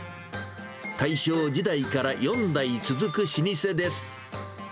大正時代から４代続く老舗です。